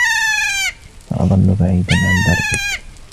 سأظل بعيداً عن دربك.